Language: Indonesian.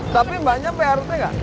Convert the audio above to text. tapi mbaknya prt nggak